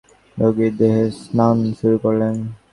রোগীর দেহে সান শুরু করলেন।